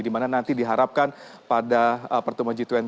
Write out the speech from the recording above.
di mana nanti diharapkan pada pertemuan g dua puluh